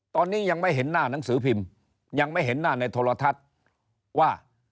ตอนนี้ยังไม่เห็นหน้าหนังสือพิมพ์ยังไม่เห็นหน้าในโทรทัศน์ว่า